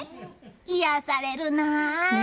癒やされるなあ。